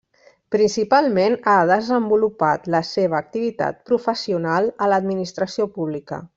Principalment ha desenvolupat la seva activitat professional a l'Administració Pública.